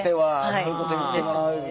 そういうこと言ってもらえると。